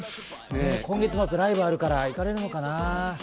今月末、ライブがあるから、行かれるのかな？